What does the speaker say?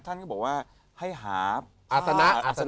ท่านก็บอกว่าให้หาอาศนะ